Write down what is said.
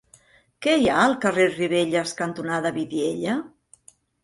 Què hi ha al carrer Ribelles cantonada Vidiella?